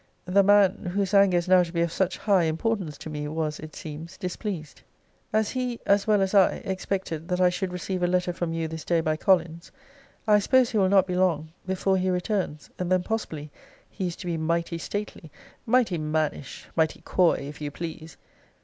The man, whose anger is now to be of such high importance to me, was, it seems, displeased. As he (as well as I) expected that I should receive a letter from you this day by Collins, I suppose he will not be long before he returns; and then, possibly, he is to be mighty stately, mighty mannish, mighty coy, if you please!